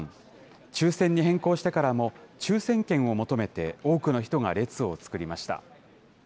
抽せんに変更してからも、抽せん券を求めて、多くの人が列を作りました。